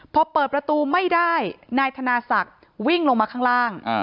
พอเปิดประตูไม่ได้นายธนาศักดิ์วิ่งลงมาข้างล่าง